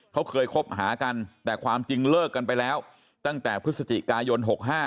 เขาเคยคบหากันแต่ความจริงเลิกกันไปแล้วตั้งแต่พฤศจิกายน๖๕